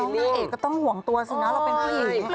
นางเอกก็ต้องห่วงตัวสินะเราเป็นผู้หญิง